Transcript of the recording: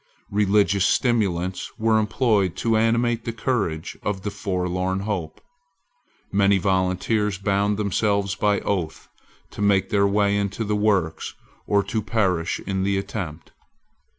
Religious stimulants were employed to animate the courage of the forlorn hope. Many volunteers bound themselves by oath to make their way into the works or to perish in the attempt.